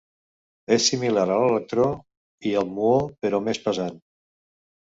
És similar a l'electró, i al muó, però més pesant.